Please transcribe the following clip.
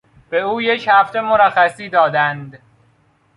به او یک هفته مرخصی دادند.